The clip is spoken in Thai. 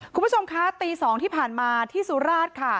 คุณผู้ชมคะตี๒ที่ผ่านมาที่สุราชค่ะ